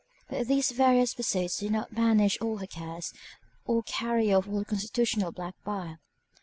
But these various pursuits did not banish all her cares, or carry off all her constitutional black bile.